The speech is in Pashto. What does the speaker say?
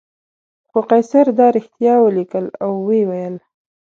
خو قیصر دا رښتیا ولیکل او وویل.